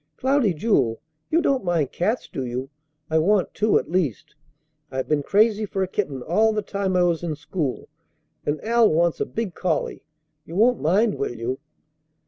Cloudy Jewel, you don't mind cats, do you? I want two at least. I've been crazy for a kitten all the time I was in school, and Al wants a big collie. You won't mind, will you?"